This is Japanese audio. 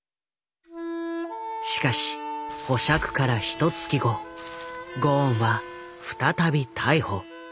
しかし保釈からひとつき後ゴーンは再び逮捕。